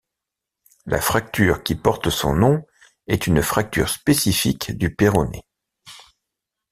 La fracture qui porte son nom est une fracture spécifique du péroné.